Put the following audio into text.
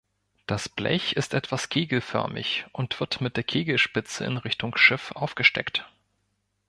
Das Blech ist etwas kegelförmig und wird mit der Kegelspitze in Richtung Schiff aufgesteckt.